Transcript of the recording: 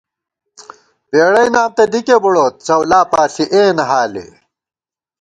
پېڑئی نام تہ دِکےبُڑوت څؤلا پاݪی اېن حالے